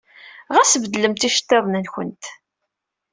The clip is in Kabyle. Ɣas beddlemt iceḍḍiḍen-nwent.